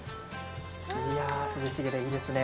いや涼しげでていいですね。